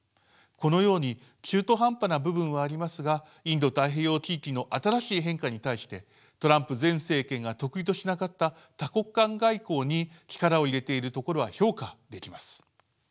このように中途半端な部分はありますがインド太平洋地域の新しい変化に対してトランプ前政権が得意としなかった多国間外交に力を入れているところは評価できます。